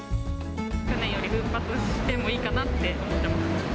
去年より奮発してもいいかなって思ってます。